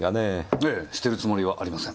ええしてるつもりはありません。